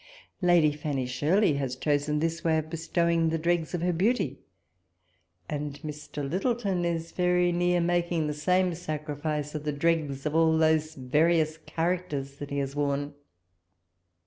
Lady Fanny Shirley has chosen this way of bestowing the dregs of her beauty ; and Mr. Lyttelton is very near making the same sacrifice of the dregs of all those various charac ters that he has woxm.